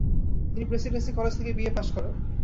তিনি Presidency College থেকে BA. Pass করেন।